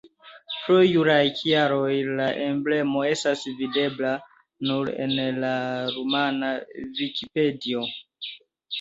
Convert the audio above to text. Pro juraj kialoj la emblemo estas videbla nur en la rumana vikipedio.